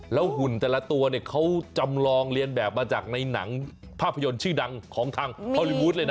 หุ่นแต่ละตัวเนี่ยเขาจำลองเรียนแบบมาจากในหนังภาพยนตร์ชื่อดังของทางฮอลลี่วูดเลยนะ